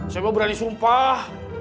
saya mah berani sumpah